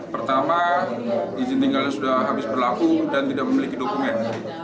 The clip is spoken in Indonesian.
pertama izin tinggalnya sudah habis berlaku dan tidak memiliki dokumen